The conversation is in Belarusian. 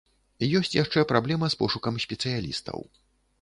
Ёсць яшчэ праблема з пошукам спецыялістаў.